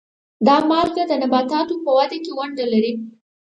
دا مالګه د نباتاتو په وده کې ونډه لري.